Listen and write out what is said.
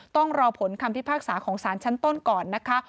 ต้องรอผลคำพิพากษาของสารชั้นต้นก่อนนะคะ